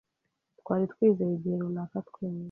Twari twizeye igihe runaka twenyine.